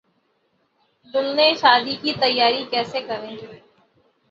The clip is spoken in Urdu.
دلہنیں شادی کی تیاری کیسے کریں